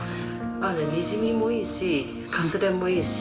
にじみもいいしかすれもいいし。